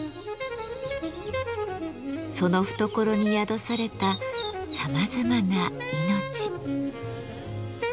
その懐に宿されたさまざまな命。